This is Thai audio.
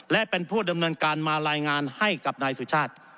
และเป็นผู้ดำเนินการมารายงานให้กับนายสุชาติ